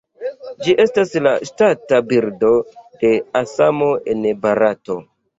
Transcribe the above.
Ĝi estas la ŝtata birdo de Asamo en Barato.